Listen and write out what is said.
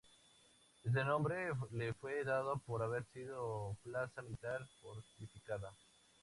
Este nombre le fue dado por haber sido plaza militar fortificada.